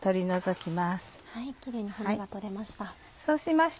キレイに骨が取れました。